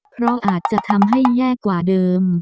เพราะอาจจะทำให้แย่กว่าเดิม